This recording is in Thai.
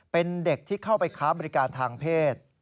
เป็นเด็กที่เข้าไปค้าบริการทางเพศ